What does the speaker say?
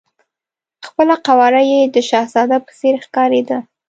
خپله قواره یې د شهزاده په څېر ښکارېده.